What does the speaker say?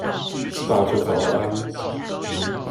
大家早安